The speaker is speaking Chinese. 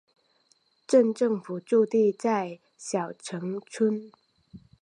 镇政府驻地在筱埕村。